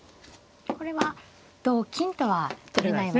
これは同金とは取れないわけですね。